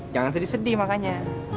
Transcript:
jangan sedih sedih makanya